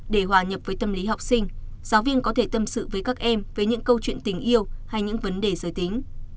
để hòa nhập với tâm lý học sinh giáo viên có thể tâm sự với các em với những câu chuyện tình yêu hay những vấn đề giới tính